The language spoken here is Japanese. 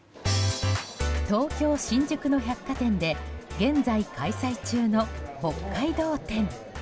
東京・新宿の百貨店で現在開催中の北海道展。